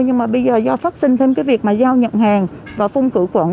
nhưng mà bây giờ do phát sinh thêm cái việc mà giao nhận hàng và phung cử quận